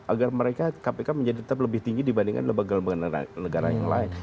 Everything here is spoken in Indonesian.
agar mereka kpk menjadi tetap lebih tinggi dibandingkan lembaga lembaga negara yang lain